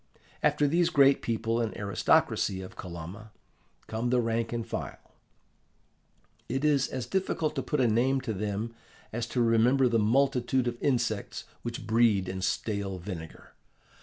After these great people and aristocracy of Kolomna, come the rank and file. It is as difficult to put a name to them as to remember the multitude of insects which breed in stale vinegar.